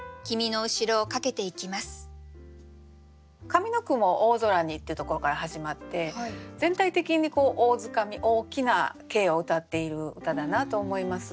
上の句も「大空に」っていうところから始まって全体的にこう大づかみ大きな景をうたっている歌だなと思います。